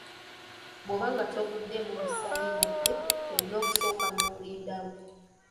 Bw'oba nga tovuddeemu musaayi yadde, olina okusooka n’olindamu.